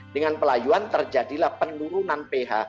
dengan pelayuan terjadilah penurunan ph